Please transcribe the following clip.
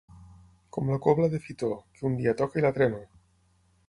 Com la cobla de Fitor, que un dia toca i l'altre no.